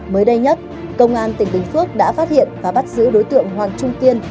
mới đây nhất công an tỉnh bình phước đã phát hiện và bắt giữ đối tượng hoàng trung kiên